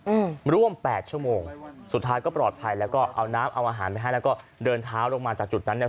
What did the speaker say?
อืมร่วมแปดชั่วโมงสุดท้ายก็ปลอดภัยแล้วก็เอาน้ำเอาอาหารไปให้แล้วก็เดินเท้าลงมาจากจุดนั้นเนี้ย